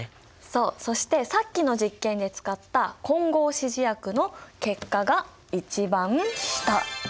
そうそしてさっきの実験で使った混合指示薬の結果が一番下。